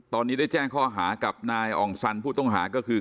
ตอนนี้ได้แจ้งข้อหากับนายอ่องสันผู้ต้องหาก็คือ